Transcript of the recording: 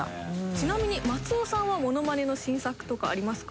ちなみに松尾さんはものまねの新作とかありますか？